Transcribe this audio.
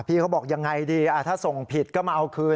พี่เขาบอกยังไงดีถ้าส่งผิดก็มาเอาคืน